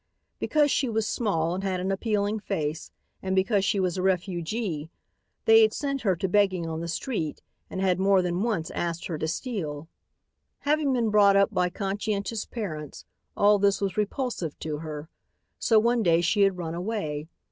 Because she was small and had an appealing face, and because she was a refugee, they had set her to begging on the street and had more than once asked her to steal. Having been brought up by conscientious parents, all this was repulsive to her. So one day she had run away.